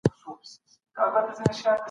تاسو بايد د خپلي ژبې ادبي اثار وڅېړئ.